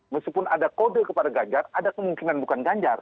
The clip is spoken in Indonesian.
meskipun ada kode kepada ganjar ada kemungkinan bukan ganjar